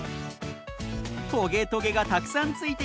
トゲトゲがたくさんついているくだもの